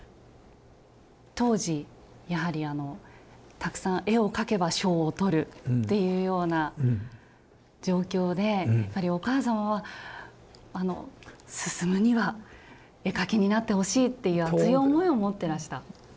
当時やはりあのたくさん絵を描けば賞を取るっていうような状況でやっぱりお母様はあの「晋には絵描きになってほしい」っていう熱い思いを持ってらした。